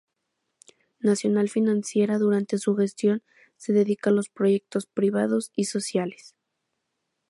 Nacional Financiera durante su gestión se dedica a los proyectos privados y sociales.